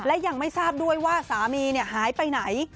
และยังไม่ทราบด้วยว่าสามีหายไปไหน